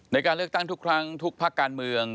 ในการเลือกตั้งทุกครั้งทุกภาคการเมือง